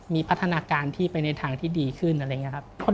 มีพัฒนาการที่ไปในทางที่ดีขึ้นอะไรอย่างนี้ครับ